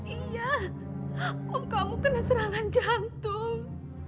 iya om kamu kena serangan jantung